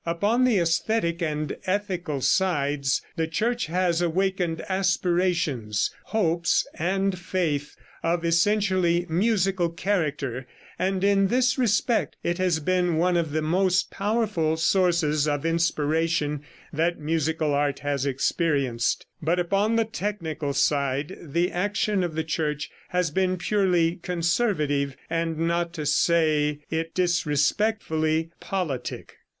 Upon the æsthetic and ethical sides the Church has awakened aspirations, hopes and faith, of essentially musical character, and in this respect it has been one of the most powerful sources of inspiration that musical art has experienced. But upon the technical side the action of the Church has been purely conservative and, not to say it disrespectfully, politic.